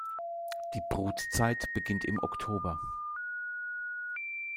Die Brutzeit beginnt im Oktober.